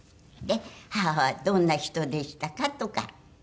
「母はどんな人でしたか？」とか。